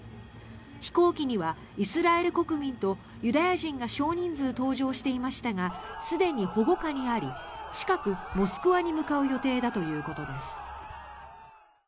飛行機にはイスラエル国民とユダヤ人が少人数、搭乗していましたがすでに保護下にあり近く、モスクワに向かう予定だということです。